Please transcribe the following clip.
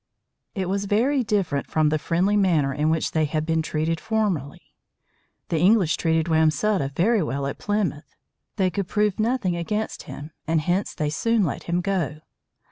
It was very different from the friendly manner in which they had been treated formerly. The English treated Wamsutta very well at Plymouth. They could prove nothing against him, and hence they soon let him go.